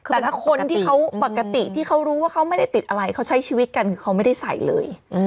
แต่ถ้าคนที่เขาปกติที่เขารู้ว่าเขาไม่ได้ติดอะไรเขาใช้ชีวิตกันคือเขาไม่ได้ใส่เลย